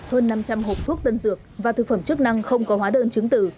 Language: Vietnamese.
hơn năm trăm linh hộp thuốc tân dược và thực phẩm chức năng không có hóa đơn chứng tử